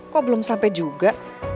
kok belum sampai juga